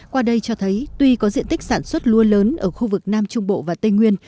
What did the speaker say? qua đây cho thấy tuy có diện tích sản xuất lúa lớn ở khu vực nam trung bộ và tây nguyên